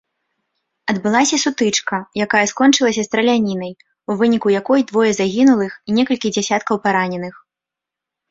Адбылася сутычка, якая скончылася стралянінай, у выніку якой двое загінулых і некалькі дзесяткаў параненых.